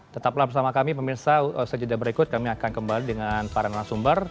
tetaplah bersama kami pemirsa sejadah berikut kami akan kembali dengan para narasumber